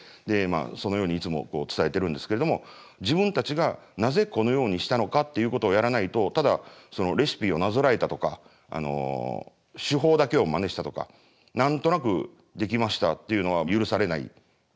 そのようにいつも伝えてるんですけれども自分たちがなぜこのようにしたのかっていうことをやらないとただそのレシピをなぞらえたとか手法だけをマネしたとか何となく出来ましたっていうのは許されないですよね。